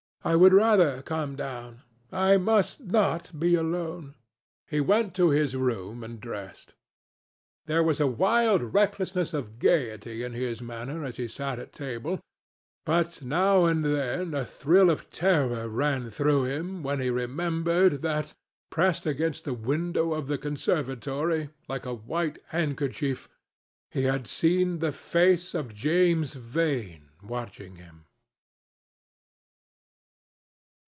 "I would rather come down. I must not be alone." He went to his room and dressed. There was a wild recklessness of gaiety in his manner as he sat at table, but now and then a thrill of terror ran through him when he remembered that, pressed against the window of the conservatory, like a white handkerchief, he had seen the face of James Vane watching him.